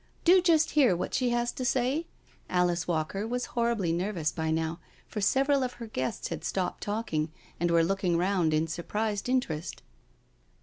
Do just hear what she has to say?" Alice Walker was horribly nervous by now, for several of her guests had stopped talking, and were looking round in surprised interest.